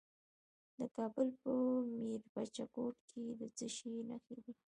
د کابل په میربچه کوټ کې د څه شي نښې دي؟